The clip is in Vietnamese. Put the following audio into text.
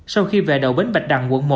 sau khi về đầu bến bạch đằng quận một